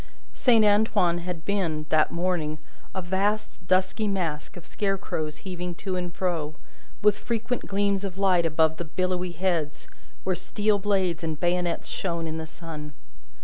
Saint Antoine had been, that morning, a vast dusky mass of scarecrows heaving to and fro, with frequent gleams of light above the billowy heads, where steel blades and bayonets shone in the sun.